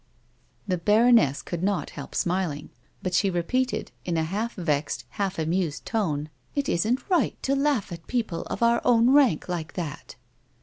The baroness could not help smiling, but she repeated, in a half vexed, half amused tone :" It isn't right to laugh at people of our own rank like that.''